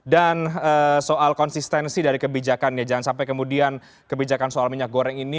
dan soal konsistensi dari kebijakan jangan sampai kemudian kebijakan soal minyak goreng ini